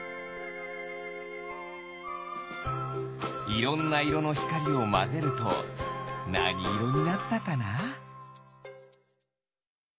いろんないろのひかりをまぜるとなにいろになったかな？